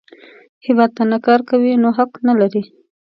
هیواد ته کار نه کوې، نو حق نه لرې